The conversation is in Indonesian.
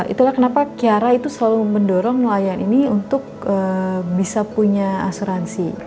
itulah kenapa kiara itu selalu mendorong nelayan ini untuk bisa punya asuransi